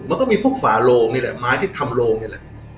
มันก็มีพวกฝาโลงนี่แหละไม้ที่ทำโลงนี่แหละ